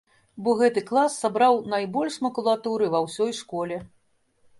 Бо гэты клас сабраў найбольш макулатуры ва ўсёй школе.